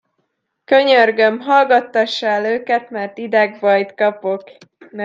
Könyörgöm, hallgattassa el őket, mert idegbajt kapok!